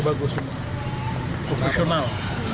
saya bagus profesional